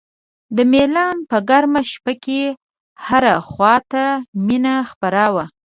د میلان په ګرمه شپه کې هره خوا ته مینه خپره وي.